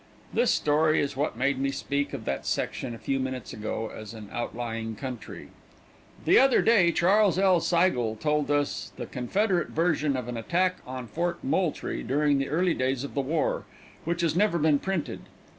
This story is what made me speak of that section a few minutes ago as an outlying country. The other day Charles L. Seigel told us the Confederate version of an attack on Fort Moultrie during the early days of the war, which has never been printed.